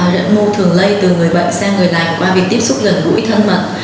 rận mưu thường lây từ người bệnh sang người lành qua việc tiếp xúc gần gũi thân mật